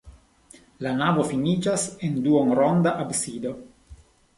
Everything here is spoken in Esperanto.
La navo finiĝas en duonronda absido.